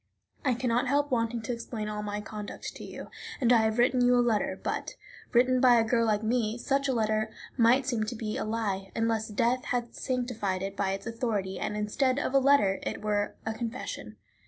I can not help wanting to explain all my conduct to you, and I have written you a letter; but, written by a girl like me, such a letter might seem to be a lie, unless death had sanctified it by its authority, and, instead of a letter, it were a confession.